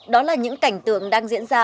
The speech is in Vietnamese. đó là những cảnh tượng đang diễn ra